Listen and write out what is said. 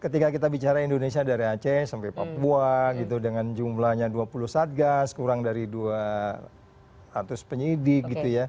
ketika kita bicara indonesia dari aceh sampai papua gitu dengan jumlahnya dua puluh satgas kurang dari dua ratus penyidik gitu ya